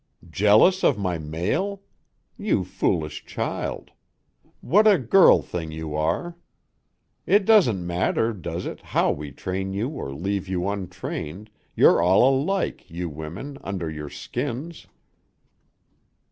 "Jealous of my mail? You foolish child. What a girl thing you are! It doesn't matter, does it, how we train you or leave you untrained, you're all alike, you women, under your skins.